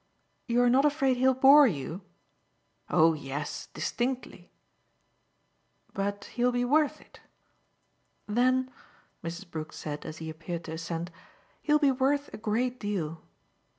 "You're not afraid he'll bore you?" "Oh yes distinctly." "But he'll be worth it? Then," Mrs. Brook said as he appeared to assent, "he'll be worth a great deal."